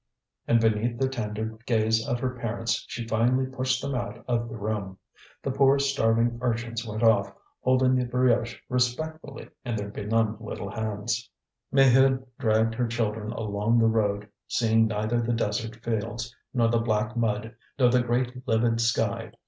And beneath the tender gaze of her parents she finally pushed them out of the room. The poor starving urchins went off, holding the brioche respectfully in their benumbed little hands. Maheude dragged her children along the road, seeing neither the desert fields, nor the black mud, nor the great livid sky.